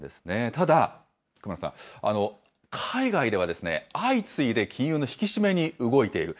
ただ、熊野さん、海外では相次いで金融の引き締めに動いている。